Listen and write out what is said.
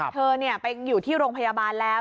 เธอไปอยู่ที่โรงพยาบาลแล้ว